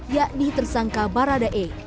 yakni tersangka baradae